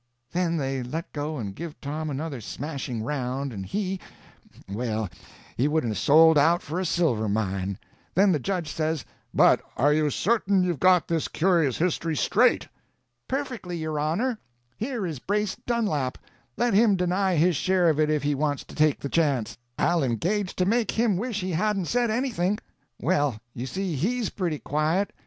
Then they let go and give Tom another smashing round, and he—well, he wouldn't 'a' sold out for a silver mine. Then the judge says: "But are you certain you've got this curious history straight?" "Perfectly, your honor. Here is Brace Dunlap—let him deny his share of it if he wants to take the chance; I'll engage to make him wish he hadn't said anything...... Well, you see he's pretty quiet.